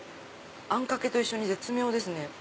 あんかけと一緒に絶妙ですね。